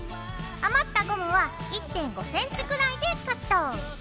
余ったゴムは１．５ｃｍぐらいでカット。